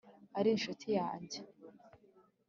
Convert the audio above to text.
ari inshuti yange